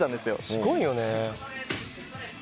すごいよね。